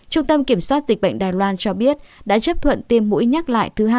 trung tâm kiểm soát dịch bệnh đài loan cho biết đã chấp thuận tiêm mũi nhắc lại thứ hai